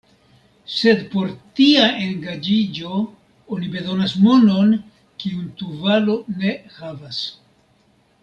Sed por tia engaĝiĝo oni bezonas monon, kiun Tuvalo ne havas.